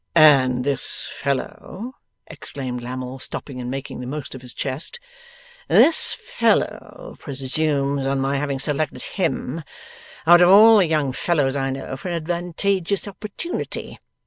'And this fellow,' exclaimed Lammle, stopping and making the most of his chest 'This fellow presumes on my having selected him out of all the young fellows I know, for an advantageous opportunity!